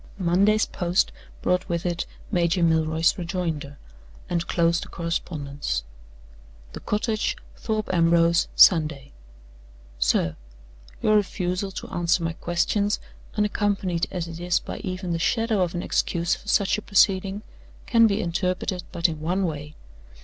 Monday's post brought with it Major Milroy's rejoinder, and closed the correspondence. "The Cottage, Thorpe Ambrose, Sunday. "SIR Your refusal to answer my questions, unaccompanied as it is by even the shadow of an excuse for such a proceeding, can be interpreted but in one way.